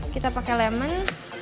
kita pakai lemon